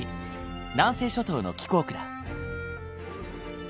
南西諸島の気候区だ。